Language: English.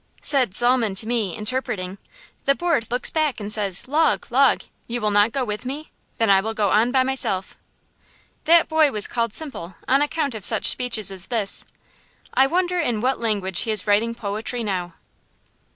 Said Zalmen to me, interpreting: "The board looks back and says, 'Log, log, you will not go with me? Then I will go on by myself.'" That boy was called simple, on account of such speeches as this. I wonder in what language he is writing poetry now.